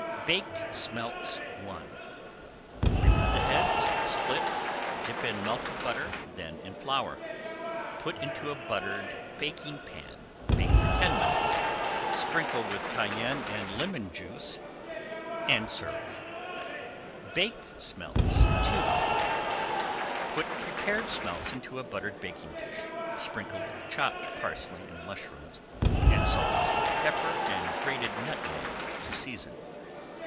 [Page 369] BAKED SMELTS I Remove the heads, split, dip in melted butter, then in flour. Put into a buttered baking pan, bake for ten minutes, sprinkle with cayenne and lemon juice, and serve. BAKED SMELTS II Put prepared smelts into a buttered baking dish, sprinkle with chopped parsley and mushrooms, and salt, pepper, and grated nutmeg to season.